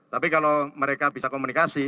tapi kalau mereka bisa komunikasi